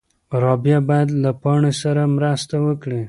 رابعه باید له پاڼې سره مرسته وکړي.